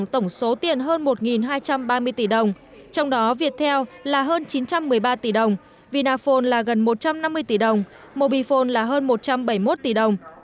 tổng số tiền hơn một hai trăm ba mươi tỷ đồng trong đó viettel là hơn chín trăm một mươi ba tỷ đồng vinaphone là gần một trăm năm mươi tỷ đồng mobifone là hơn một trăm bảy mươi một tỷ đồng